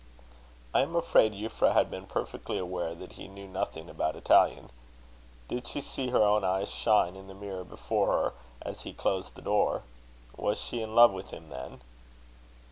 I am afraid Euphra had been perfectly aware that he knew nothing about Italian. Did she see her own eyes shine in the mirror before her, as he closed the door? Was she in love with him, then?